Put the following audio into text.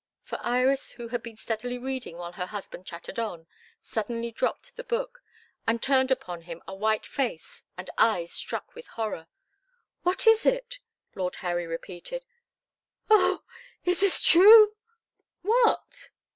For Iris, who had been steadily reading while her husband chattered on, suddenly dropped the book, and turned upon him a white face and eyes struck with horror. "What is it?" Lord Harry repeated. "Oh! Is this true?" "What?"